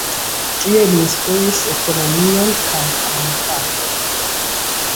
Tie li instruis ekonomion kaj komunikadon.